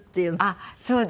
あっそう。